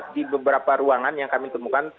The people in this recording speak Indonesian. di beberapa ruangan yang kami temukan